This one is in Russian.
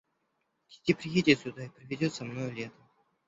Кити приедет сюда и проведет со мною лето.